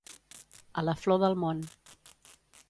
A la flor del món.